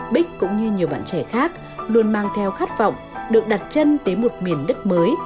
bích cũng như nhiều bạn trẻ khác luôn mang theo khát vọng được đặt chân đến một miền đất mới